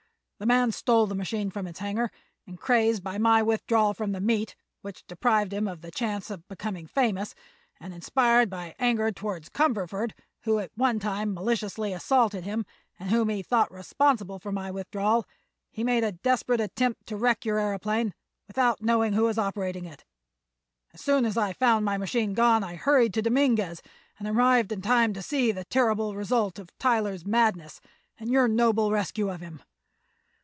The man stole the machine from its hangar and, crazed by my withdrawal from the meet, which deprived him of the chance of becoming famous, and inspired by anger toward Cumberford, who had at one time maliciously assaulted him and whom he thought responsible for my withdrawal, he made a desperate attempt to wreck your aëroplane without knowing who was operating it. As soon as I found my machine gone I hurried to Dominguez and arrived in time to see the terrible result of Tyler's madness and your noble rescue of him.